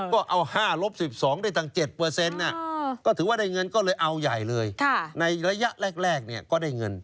ก็เอา๕ลบ๑๒ได้ตั้ง๗ก็ถือว่าได้เงินก็เลยเอาใหญ่เลยในระยะแรกก็ได้เงิน